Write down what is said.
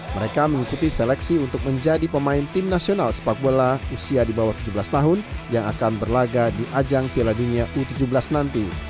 mereka mengikuti seleksi untuk menjadi pemain tim nasional sepak bola usia di bawah tujuh belas tahun yang akan berlaga di ajang piala dunia u tujuh belas nanti